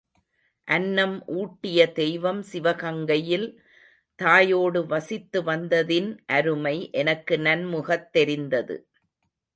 அன்னம் ஊட்டிய தெய்வம் சிவகங்கையில் தாயோடு வசித்துவந்ததின் அருமை எனக்கு நன்முகத் தெரிந்தது.